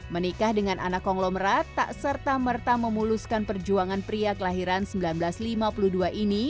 menikah dengan anak konglomerat tak serta merta memuluskan perjuangan pria kelahiran seribu sembilan ratus lima puluh dua ini